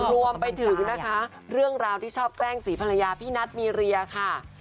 รวมไปถึงนะคะเรื่องราวที่ชอบแกล้งศรีภรรยาพี่นัทมีเรียค่ะ